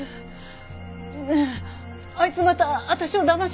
ねえあいつまた私をだましに来るの？